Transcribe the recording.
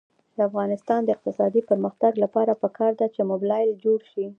د افغانستان د اقتصادي پرمختګ لپاره پکار ده چې موبلایل جوړ شي.